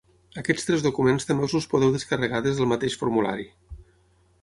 Aquests tres documents també us els podeu descarregar des del mateix formulari.